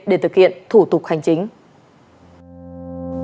để thực hiện thủ tục hành chính